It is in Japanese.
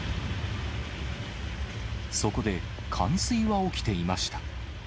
そこで冠水は起きていました。